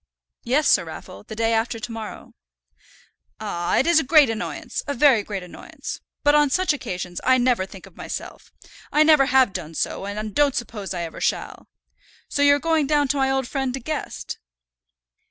"Yes, Sir Raffle, the day after to morrow." "Ah! it's a great annoyance, a very great annoyance. But on such occasions I never think of myself. I never have done so, and don't suppose I ever shall. So you're going down to my old friend De Guest?"